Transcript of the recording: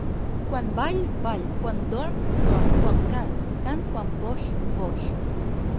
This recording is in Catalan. Quan ball, ball; quan dorm, dorm; quan cant, cant; quan boix, boix.